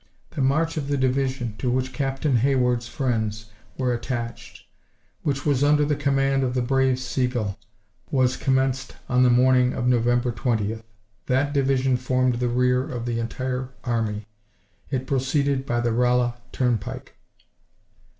The march of the division to which Captain Hayward's friends were attached, which was under the command of the brave Sigel, was commenced on the morning of November 20th. That division formed the rear of the entire army. It proceeded by the Rolla turnpike.